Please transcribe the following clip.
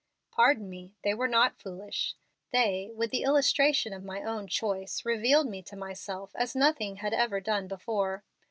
"Pardon me, they were not foolish. They, with the illustration of my own choice, revealed me to myself as nothing had ever done before.